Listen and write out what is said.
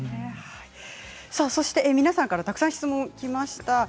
皆さんからたくさん質問がきました。